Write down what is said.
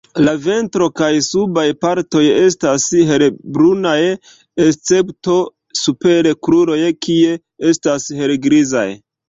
La ventro kaj subaj partoj estas helbrunaj, escepto super kruroj kie estas helgrizaj.